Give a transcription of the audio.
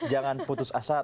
jangan putus asa